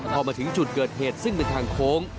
พอมาถึงจุดเกิดเหตุซึ่งเป็นทางโค้ง